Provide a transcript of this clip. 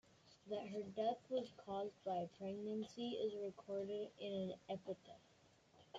That her death was caused by a pregnancy is recorded in an epitaph.